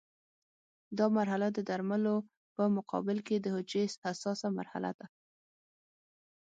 دا مرحله د درملو په مقابل کې د حجرې حساسه مرحله ده.